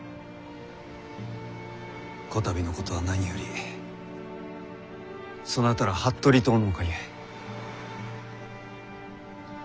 こたびのことは何よりそなたら服部党のおかげ。